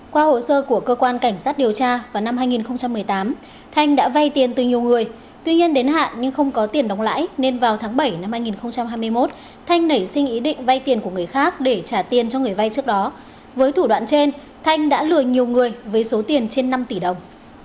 qua hồ sơ của cơ quan cảnh sát điều tra vào năm hai nghìn một mươi tám thanh đã vay tiền từ nhiều người tuy nhiên đến hạn nhưng không có tiền đóng lãi nên vào tháng bảy năm hai nghìn hai mươi một thanh nảy sinh ý định vay tiền của người khác để trả tiền cho người vay trước đó với thủ đoạn trên thanh đã lừa nhiều người với số tiền trên năm tỷ đồng